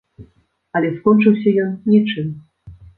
Але скончыўся ён нічым.